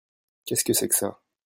Qu'est-ce que c'est que ça ?